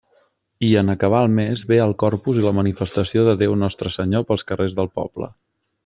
I en acabar el mes ve el Corpus i la manifestació de Déu Nostre Senyor pels carrers del poble.